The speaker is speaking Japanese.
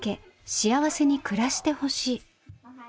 幸せに暮らしてほしい。